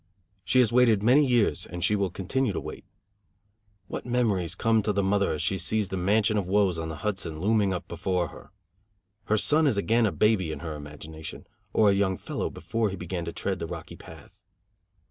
She has waited many years and she will continue to wait. What memories come to the mother as she sees the mansion of woes on the Hudson looming up before her! Her son is again a baby in her imagination; or a young fellow, before he began to tread the rocky path!